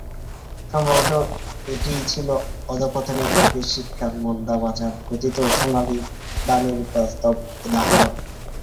সম্ভবত এটিই ছিল অধঃপতনের যুগে শিক্ষার মন্দা বাজার কথিত সোনালি বাণীর বাস্তব উদাহরণ।